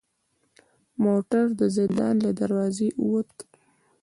موټر د زندان له دروازې و وت.